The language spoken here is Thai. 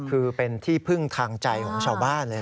คือเป็นที่พึ่งทางใจของชาวบ้านเลย